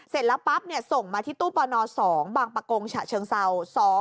เสร็จแล้วปั๊บเนี่ยส่งมาที่ตู้ปรณอ๒บังปรกงฉะเชิงเซา๒๔๑๓๐